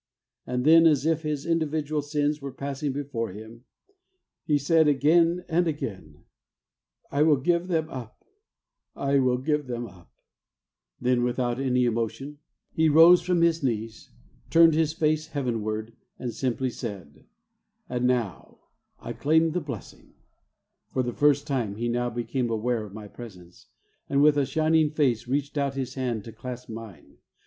And then, as if his individual sins were passing before him, he said again and again, " I will give them up; I will give them up." 12 THE WAY OF HOLINESS ' Then without any emotion he rose from his knees, turned his face Heavenward, and simply said, "And now, I claim the bless ing," For the first time he now became aware of my presence, and with a shining face reached out his hand to clasp mine.